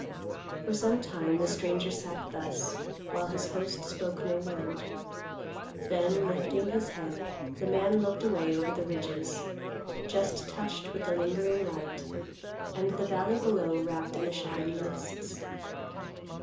For some time the stranger sat thus, while his host spoke no word. Then lifting his head, the man looked away over the ridges just touched with the lingering light, and the valley below wrapped in the shadowy mists.